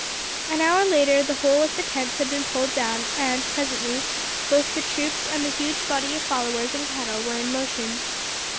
An hour later the whole of the tents had been pulled down and, presently, both the troops and the huge body of followers and cattle were in motion.